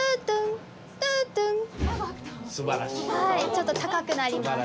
ちょっと高くなります。